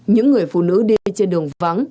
những người phụ nữ đi trên đường vắng